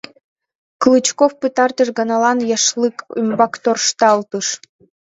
Клычков пытартыш ганалан яшлык ӱмбак тӧршталтыш: